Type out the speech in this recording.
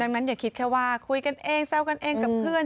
ดังนั้นอย่าคิดแค่ว่าคุยกันเองแซวกันเองกับเพื่อน